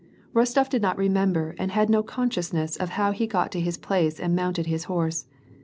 Rostof did not remember and had no consciousness of how he got to his place and mounted his horse.